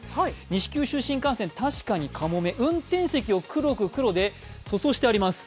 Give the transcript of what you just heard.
西九州新幹線、確かにかもめ、運転席を黒く黒で塗装してあります。